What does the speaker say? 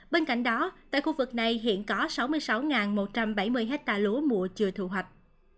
bên cạnh đó tại khu vực này hiện có sáu mươi sáu một trăm bảy mươi hectare lúa mùa chưa thu hoạch